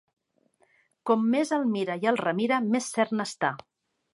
Com més el mira i el remira més cert n'està.